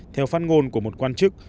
theo phát ngôn của một quan chức